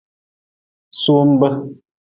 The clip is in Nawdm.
Sumbe.